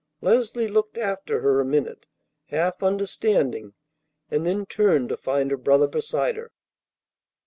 Leslie looked after her a minute, half understanding, and then turned to find her brother beside her.